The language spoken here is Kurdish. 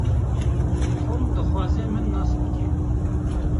Tom dixwaze min nas bike.